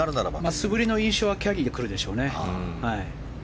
素振りの印象はキャリーで来るでしょうね。